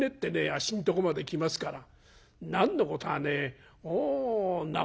あっしのとこまで来ますから何のことはねえな